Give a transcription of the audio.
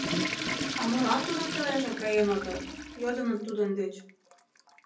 — А молан тудын пеленжак каен отыл? — йодыныт тудын деч.